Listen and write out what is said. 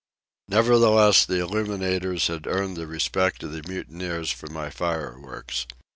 Nevertheless, the illuminators had earned the respect of the mutineers for my fireworks.